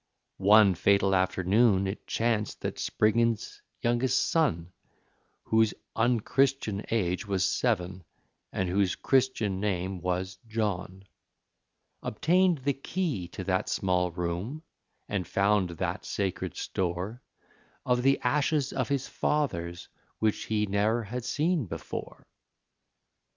One fatal afternoon it chanced that Spriggins's youngest son, Whose un Christian age was seven, and whose Christian name was John, Obtained the key to that small room, and found that sacred store Of the ashes of his fathers, which he ne'er had seen before.